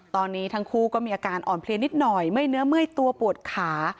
ตอนนี้ทั้งคู่ก็มีอาการอ่อนเพลียนิดหน่อยเมื่อยเนื้อเมื่อยตัวปวดขา